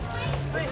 はい！